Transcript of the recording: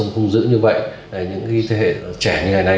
không giữ như vậy những thế hệ trẻ như ngày nay